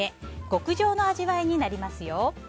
極上の味わいになりますよ！